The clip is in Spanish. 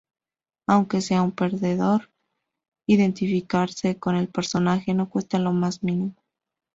Aunque sea un perdedor, identificarse con el personaje no cuesta lo más mínimo.